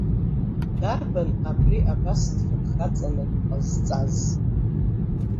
Иарбан абри абас дфырхаҵаны дҟазҵаз?!